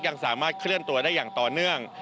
ยังสามารถเคลื่อนตัวได้อย่างต่อเนื่อง